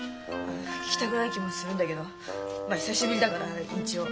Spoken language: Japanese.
聞きたくない気もするんだけど久しぶりだから一応。